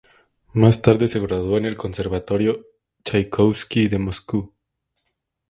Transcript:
Más tarde se graduó en el Conservatorio Chaikovski de Moscú.